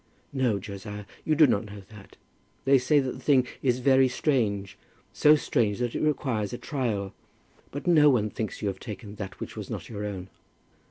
"No, Josiah, you do not know that. They say that the thing is very strange, so strange that it requires a trial; but no one thinks you have taken that which was not your own."